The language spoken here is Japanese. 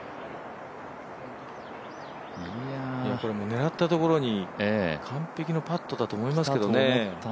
狙ったところに完璧なパットだと思いますけどね。